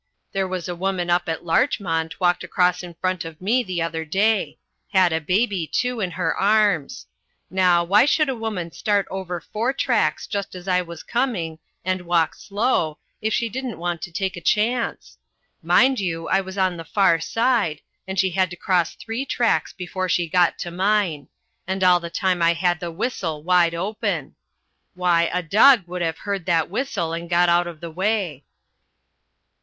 There was a woman up at Larchmont walked across in front of me the other day. Had a baby, too, in her arms. Now, why should a woman start over four tracks just as I was coming, and walk slow, if she didn't want to take a chance? Mind you, I was on the far side, and she had to cross three tracks before she got to mine. And all the time I had the whistle wide open. Why, a dog would have heard that whistle and got out o' the way."